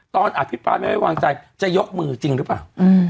ตอนอาทิตย์ปราสไม่ว่างใจจะยกมือจริงหรือเปล่า